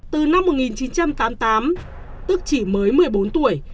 từ năm một nghìn chín trăm tám mươi tám tức chỉ mới một mươi bốn tuổi